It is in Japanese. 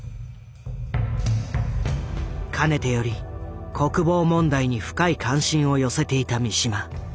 かねてより国防問題に深い関心を寄せていた三島。